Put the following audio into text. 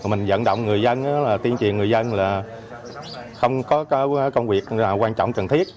mình dẫn động người dân tiên triền người dân là không có công việc quan trọng cần thiết